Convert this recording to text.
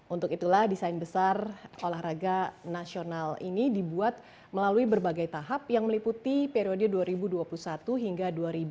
untuk itulah desain besar olahraga nasional ini dibuat melalui berbagai tahap yang meliputi periode dua ribu dua puluh satu hingga dua ribu dua puluh empat